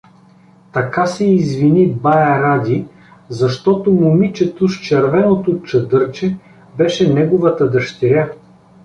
Така се извини бае Ради, защото момичето с червеното чадърче беше неговата дъщеря.